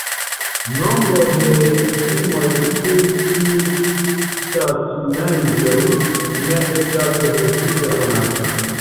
Nombro de viktimoj de tiuj ĉi taĉmentoj ne estas precize konata.